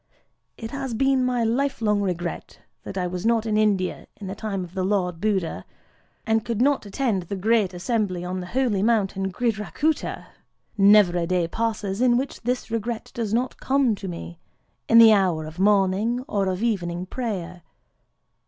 It has been my life long regret that I was not in India in the time of the Lord Buddha, and could not attend the great assembly on the holy mountain Gridhrakûta. Never a day passes in which this regret does not come to me, in the hour of morning or of evening prayer.